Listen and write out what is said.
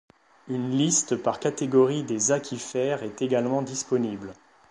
Une liste par catégorie des aquifères est également disponible.